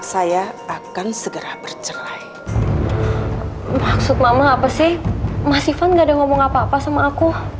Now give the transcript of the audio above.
saya akan segera bercerai maksud mama apa sih mas ivan gak ada ngomong apa apa sama aku